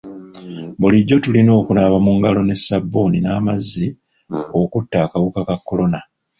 Bulijjo tulina okunaaba mu ngalo ne sabbuuni n'amazzi okutta akawuka ka kolona.